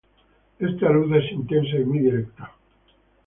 Esta luz es intensa y muy directiva.